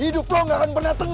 hidup lo gak akan pernah